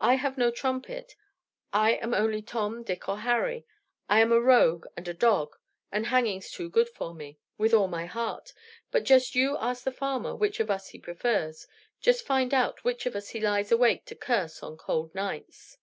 I have no trumpet; I am only Tom, Dick, or Harry; I am a rogue and a dog, and hanging's too good for me with all my heart but just you ask the farmer which of us he prefers, just find out which of us he lies awake to curse on cold nights."